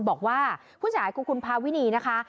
บอกว่าผู้เสียหายคุณคุณพาวินีนะคะ